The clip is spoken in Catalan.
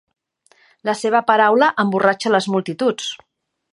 La seva paraula emborratxa les multituds.